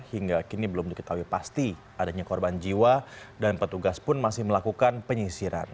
hingga kini belum diketahui pasti adanya korban jiwa dan petugas pun masih melakukan penyisiran